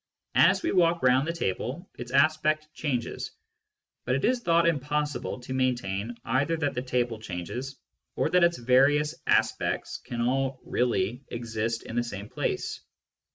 As we walk round the table, its aspect changes ; but it is thought impossible to maintain either that the table changes, or that its various aspects can all " really " exist in the same place.